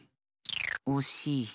おしい。